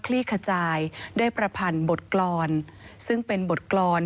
ลี่ขจายได้ประพันธ์บทกรรมซึ่งเป็นบทกรรม